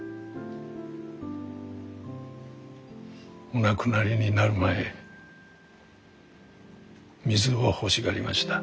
お亡くなりになる前水を欲しがりました。